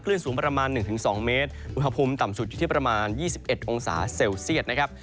สูงประมาณ๑๒เมตรอุณหภูมิต่ำสุดอยู่ที่ประมาณ๒๑องศาเซลเซียตนะครับ